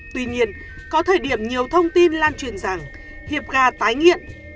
tuy nhiên có thời điểm nhiều thông tin lan truyền rằng hiệp gà tái nghiện